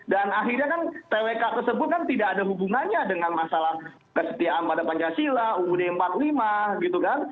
dan akhirnya kan twk tersebut kan tidak ada hubungannya dengan masalah kesetiaan pada pancasila uud empat puluh lima gitu kan